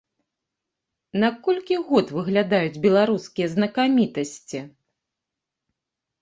На колькі год выглядаюць беларускія знакамітасці?